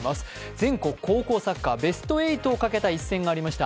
全国高校サッカー、ベスト８をかけた一戦がありました。